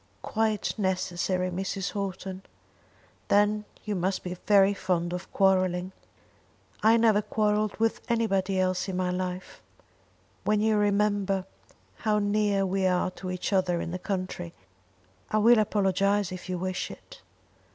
"Quite necessary, Mrs. Houghton." "Then you must be very fond of quarrelling." "I never quarrelled with anybody else in my life." "When you remember how near we are to each other in the country . I will apologise if you wish it."